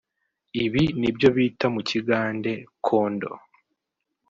Ibi nibyo bita mu kigande Kondo